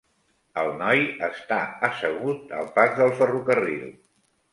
El noi està assegut al pas del ferrocarril.